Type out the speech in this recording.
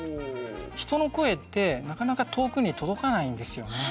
人の声ってなかなか遠くに届かないんですよね。